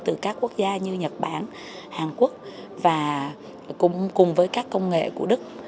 từ các quốc gia như nhật bản hàn quốc và cùng với các công nghệ của đức